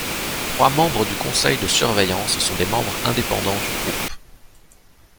Trois membres du Conseil de surveillance sont des membres indépendants du Groupe.